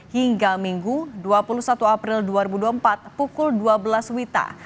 hingga minggu dua puluh satu april dua ribu dua puluh empat pukul dua belas wita